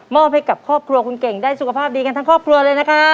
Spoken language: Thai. ให้กับครอบครัวคุณเก่งได้สุขภาพดีกันทั้งครอบครัวเลยนะครับ